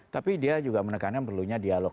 tapi dia juga menekankan perlunya dialog